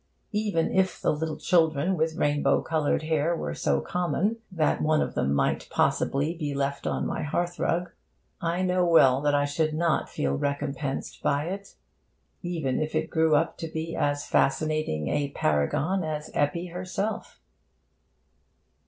Even if little children with rainbow coloured hair were so common that one of them might possibly be left on my hearth rug, I know well that I should not feel recompensed by it, even if it grew up to be as fascinating a paragon as Eppie herself.